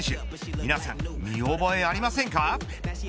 皆さん、見覚えありませんか。